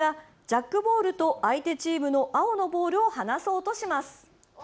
最強助っと古尾谷さんがジャックボールと相手チームの青のボールを離そうとします。